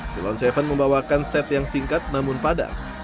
silon tujuh membawakan set yang singkat namun padat